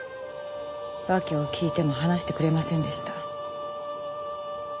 訳を訊いても話してくれませんでした。